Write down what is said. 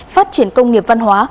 phát triển công nghiệp văn hóa